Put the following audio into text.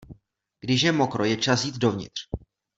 Když je mokro, je čas jít dovnitř.